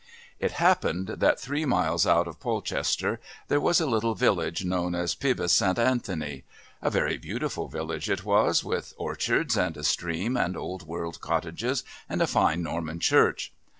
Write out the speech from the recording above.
It happened that, three miles out of Polchester, there was a little village known as Pybus St. Anthony. A very beautiful village it was, with orchards and a stream and old world cottages and a fine Norman church.